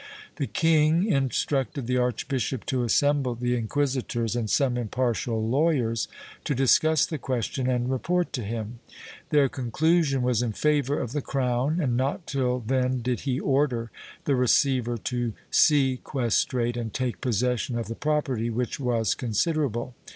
The king instructed the archbishop to assemble the inquisitors and some impartial lawyers to discuss the c^uestion and report to him ; their conclusion was in favor of the crown and not till then did he order the receiver to sequestrate and take posses sion of the property, which was considerable.